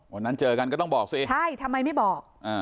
วันนั้นเจอกันก็ต้องบอกสิใช่ทำไมไม่บอก